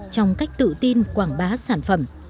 trong cách tự tin quảng bá sản phẩm